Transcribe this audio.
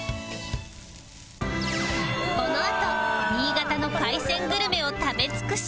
このあと新潟の海鮮グルメを食べ尽くし！